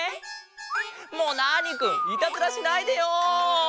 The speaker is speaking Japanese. もうナーニくんいたずらしないでよ！